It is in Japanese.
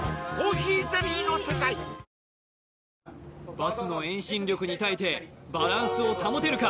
バスの遠心力に耐えてバランスを保てるか？